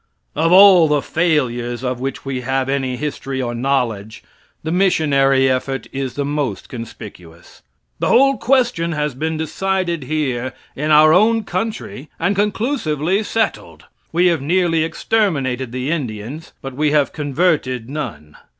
Of all the failures of which we have any history or knowledge the missionary effort is the most conspicuous. The whole question has been decided here, in our own country, and conclusively settled. We have nearly exterminated the Indians; but we have converted none.